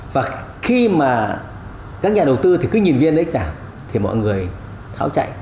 và khi mà các nhà đầu tư thì cứ nhìn viên đấy giảm thì mọi người tháo chạy